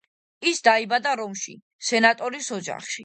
ის დაიბადა რომში, სენატორის ოჯახში.